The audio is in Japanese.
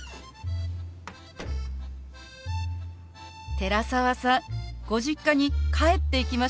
寺澤さんご実家に帰っていきましたね。